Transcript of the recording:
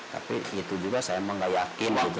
tapi itu juga saya emang gak yakin gitu